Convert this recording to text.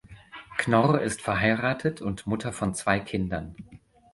Knorr ist verheiratet und Mutter von zwei Kindern.